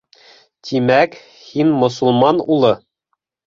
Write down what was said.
Тимәк, һин мосолман улы?